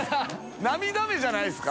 涙目じゃないですか？